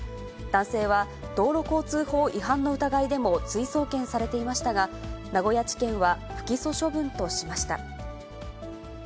男性は、道路交通法違反の疑いでも追送検されていましたが、名古屋地検は、不起訴処分としました。